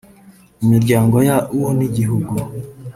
imiryango yabo n’igihugu